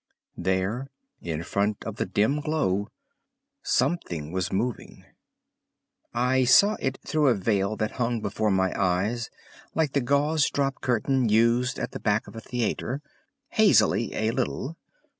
There, in front of the dim glow, something was moving. I saw it through a veil that hung before my eyes like the gauze drop curtain used at the back of a theater—hazily a little.